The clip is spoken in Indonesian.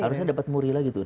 harusnya dapat muri lagi tuh